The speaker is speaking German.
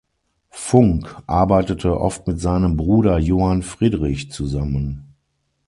Funk arbeitete oft mit seinem Bruder Johann Friedrich zusammen.